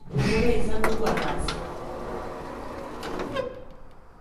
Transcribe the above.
Umorea izan dugu ardatz.